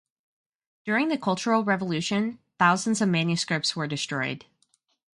During the Cultural Revolution, thousands of manuscripts were destroyed.